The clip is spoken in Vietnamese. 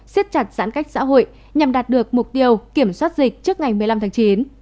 siết chặt giãn cách xã hội nhằm đạt được mục tiêu kiểm soát dịch trước ngày một mươi năm tháng chín